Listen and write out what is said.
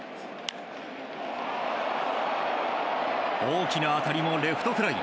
大きな当たりもレフトフライ。